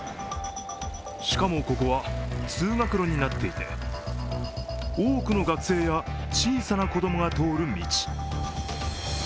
しかも、ここは通学路になっていて多くの学生や小さな子供が通る道。